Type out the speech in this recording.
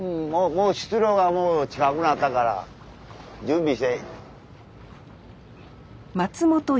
もう出漁がもう近くなったから準備して。